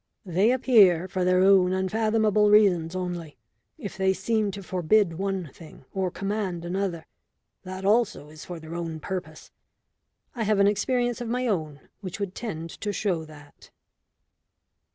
They appear for their own unfathomable reasons only. If they seem to forbid one thing or command another, that also is for their own purpose. I have an experience of my own which would tend to show that."